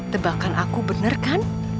tebakan aku benar kan